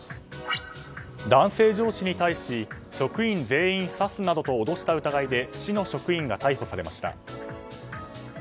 男性上司に対し職員全員刺すなどと脅した疑いで市の職員が逮捕されました。